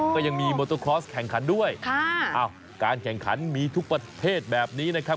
ก็ยังมีโมโตคลอสแข่งขันด้วยค่ะอ้าวการแข่งขันมีทุกประเภทแบบนี้นะครับ